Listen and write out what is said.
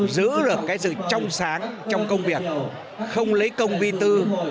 giữ được cái sự trong sáng trong công việc không lấy công vi tư